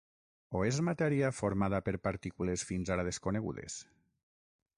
O és matèria formada per partícules fins ara desconegudes?